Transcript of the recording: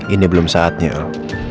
ini belum saatnya al